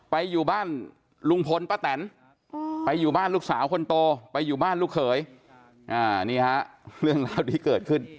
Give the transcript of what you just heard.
อยู่บ้านลุงพลป้าแตนไปอยู่บ้านลูกสาวคนโตไปอยู่บ้านลูกเขยนี่ฮะเรื่องราวที่เกิดขึ้น